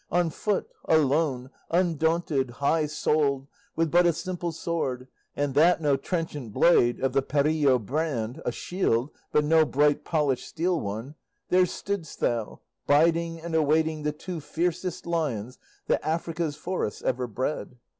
On foot, alone, undaunted, high souled, with but a simple sword, and that no trenchant blade of the Perrillo brand, a shield, but no bright polished steel one, there stoodst thou, biding and awaiting the two fiercest lions that Africa's forests ever bred!